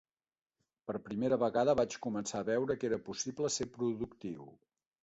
Per primera vegada vaig començar a veure que era possible ser productiu.